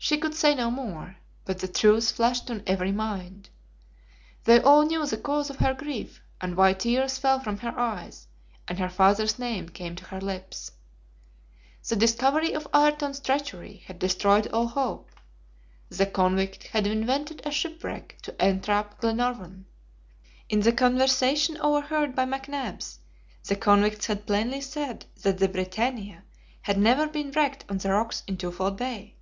She could say no more, but the truth flashed on every mind. They all knew the cause of her grief, and why tears fell from her eyes and her father's name came to her lips. The discovery of Ayrton's treachery had destroyed all hope; the convict had invented a shipwreck to entrap Glenarvan. In the conversation overheard by McNabbs, the convicts had plainly said that the BRITANNIA had never been wrecked on the rocks in Twofold Bay.